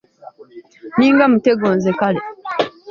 Nninga mutego nze kale.